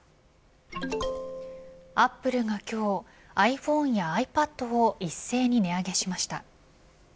アップルが今日ｉＰｈｏｎｅやｉＰａｄを一斉に値上げしました。